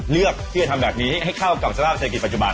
เลือกที่จะทำแบบนี้ให้เข้ากับสภาพเศรษฐกิจปัจจุบัน